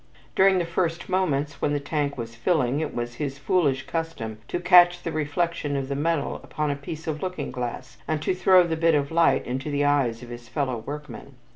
During the few moments when the tank was filling it was his foolish custom to catch the reflection of the metal upon a piece of looking glass, and to throw the bit of light into the eyes of his fellow workmen.